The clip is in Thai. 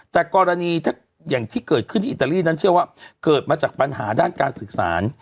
แต่กรณีที่เกิดคืนที่อิตาลีดั้นเชื่อว่าเกิดมาจากปัญหาการศึกษาน